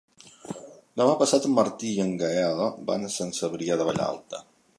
Demà passat en Martí i en Gaël van a Sant Cebrià de Vallalta.